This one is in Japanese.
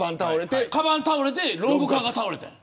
かばん倒れてロング缶が倒れた。